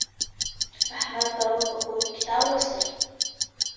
احمد پرون په کور کي کتاب لوستی.